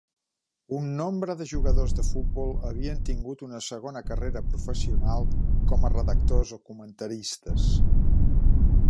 Un nombre de jugadors de futbol havien tingut una segona carrera professional com a redactors o comentaristes.